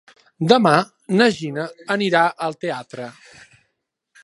Demà na Gina anirà al teatre.